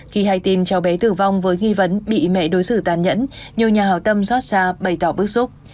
khi hay tin cháu bé tử vong với nghi vấn bị mẹ đối xử tàn nhẫn nhiều nhà hào tâm xót xa bày tỏ bức xúc